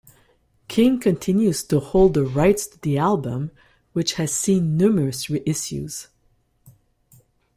King continues to hold the rights to the album which has seen numerous reissues.